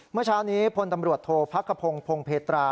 เมื่อเช้านี้พลตำรวจโทษพักกระพงศพงเพตรา